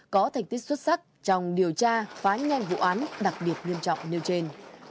có thành tích xuất sắc trong điều tra phá nhanh vụ án đặc biệt nghiêm trọng nêu trên